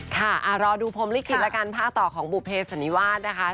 ค่ะรอดูพรมลิขิตแล้วกันผ้าต่อของบุเภสันนิวาสนะคะ